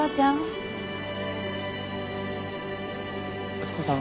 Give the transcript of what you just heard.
敦子さん。